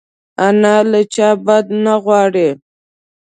انا له چا بد نه غواړي